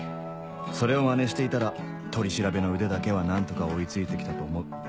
それをマネしていたら取り調べの腕だけは何とか追い付いて来たと思う